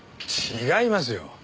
違いますよ。